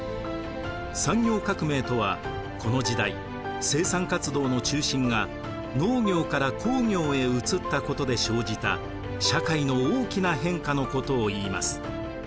産業革命とはこの時代生産活動の中心が農業から工業へ移ったことで生じた社会の大きな変化のことを言います。